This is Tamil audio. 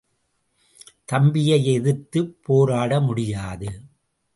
தம்பியை எதிர்த்துப் போராட முடியாது.